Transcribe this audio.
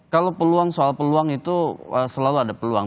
kalau peluang soal peluang itu selalu ada peluang